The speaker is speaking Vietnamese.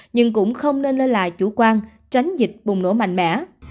nhưng cũng không nên lên lại chủ quan tránh dịch bùng nổ mạnh mẽ